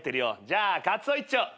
じゃあカツオ１丁。